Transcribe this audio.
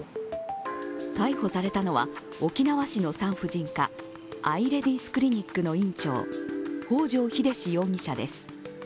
逮捕されたのは、沖縄市の産婦人科あいレディースクリニックの院長北條英史容疑者です。